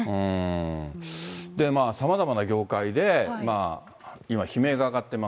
さまざまな業界で今、悲鳴が上がってます。